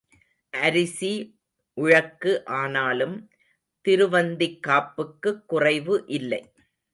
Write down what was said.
அரிசி உழக்கு ஆனாலும் திருவந்திக் காப்புக்குக் குறைவு இல்லை.